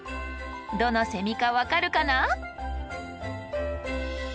どのセミか分かるかな？